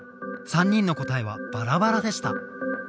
３人の答えはバラバラでした。